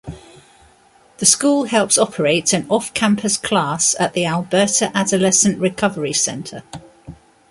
The school helps operate an off-campus class at the Alberta Adolescent Recovery Centre.